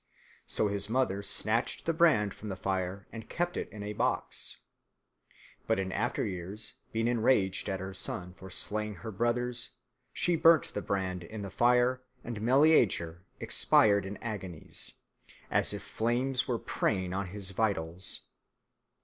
So his mother snatched the brand from the fire and kept it in a box. But in after years, being enraged at her son for slaying her brothers, she burnt the brand in the fire and Meleager expired in agonies, as if flames were preying on his vitals.